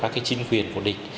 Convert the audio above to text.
các chính quyền của địch